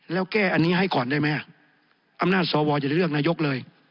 แล้วแก้อันนี้ให้ก่อนได้ไหมอำนาจสวอย่าเลือกนายกเลย